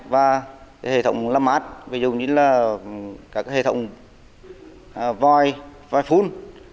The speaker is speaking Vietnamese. và hệ thống làm mát ví dụ như là các hệ thống vòi vòi phun